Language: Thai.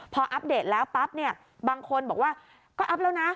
พออัปเดตแล้วปั๊บเนี่ยบางคนบอกว่าก็อัพแล้วนะ